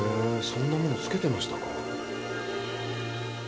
そんなもの着けてましたか？